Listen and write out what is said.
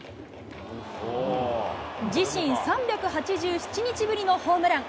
自身３８７日ぶりのホームラン。